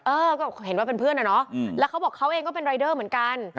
เออก็เห็นว่าเป็นเพื่อนอะเนาะแล้วเขาบอกเขาเองก็เป็นรายเดอร์เหมือนกัน